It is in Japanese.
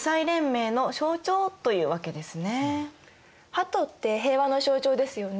鳩って平和の象徴ですよね。